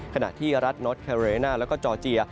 ขณะที่รัฐนอสแคลเลน่าและจอร์เจีย